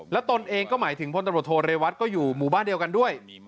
แล้วตนเองก็หมายถึงพลตำรวจโทเรวัตก็อยู่หมู่บ้านเดียวกันด้วย